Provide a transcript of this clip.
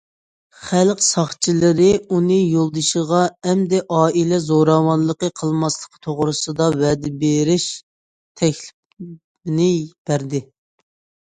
خەلق ساقچىلىرى ئۇنى يولدىشىغا ئەمدى ئائىلە زوراۋانلىقى قىلماسلىق توغرىسىدا ۋەدە بېرىش تەكلىپىنى بەردى.